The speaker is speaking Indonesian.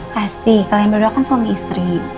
pasti kalian berdua kan suami istri